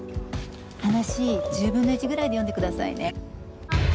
話１０分の１ぐらいで読んでくださいね。